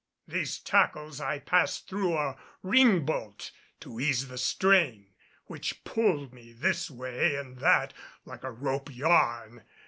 These tackles I passed through a ring bolt to ease the strain, which pulled me this way and that like a rope yarn.